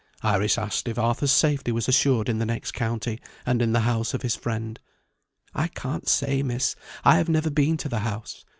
Iris asked if Arthur's safety was assured in the next county, and in the house of his friend. "I can't say, Miss; I have never been to the house.